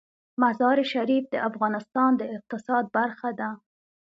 مزارشریف د افغانستان د اقتصاد برخه ده.